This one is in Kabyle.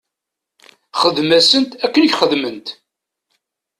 Xdem-asent akken i k-xedment.